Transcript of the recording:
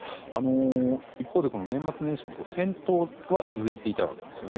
一方で年末年始も戦闘は続いていたわけですよね。